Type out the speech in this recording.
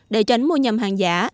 để tránh mua nhầm hàng giả